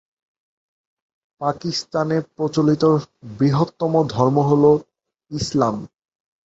পাকিস্তানে প্রচলিত বৃহত্তম ধর্ম হল ইসলাম।